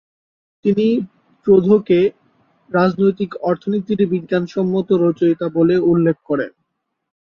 তিনি প্রুধোঁকে রাজনৈতিক অর্থনীতির বিজ্ঞানসম্মত রচয়িতা বলে উল্লেখ করেন।